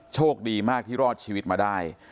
โชคดีมากที่รอดชีวิตมาได้